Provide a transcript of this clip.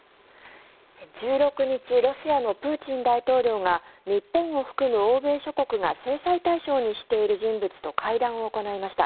１６日ロシアのプーチン大統領が日本を含む欧米諸国が制裁対象にしている人物と会談を行いました。